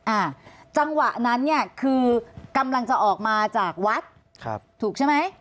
อ่าจังหวะนั้นเนี่ยคือกำลังจะออกมาจากวัดครับถูกใช่ไหม